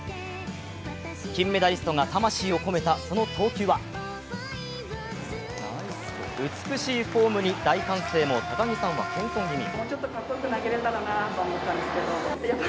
金メダリストが魂を込めたその投球は美しいフォームに大歓声も高木さんは謙遜ぎみ。